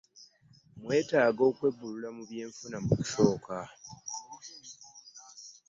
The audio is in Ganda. Mwetaaga kwebbulula mu byanfuna okusooka.